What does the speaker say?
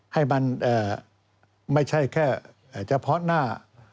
ให้มันไม่ใช่แค่เฉพาะหน้า